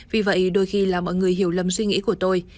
vì vậy đôi khi là mọi người hiểu lầm suy nghĩ của tôi